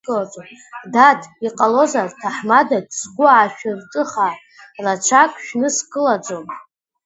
Дад, иҟалозар ҭаҳмадак сгәы аашәырҿыха, рацәак шәныскылаӡом…